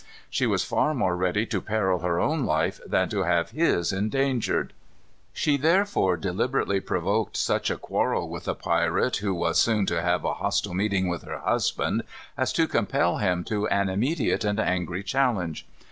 She was far more ready to peril her own life than to have his endangered. She therefore deliberately provoked such a quarrel with the pirate who was soon to have a hostile meeting with her husband, as to compel him to an immediate and angry challenge.